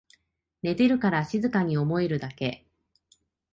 寝てるから静かに思えるだけ